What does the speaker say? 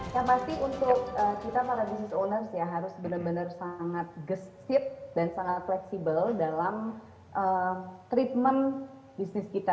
yang pasti untuk kita para business owners ya harus benar benar sangat gesit dan sangat fleksibel dalam treatment bisnis kita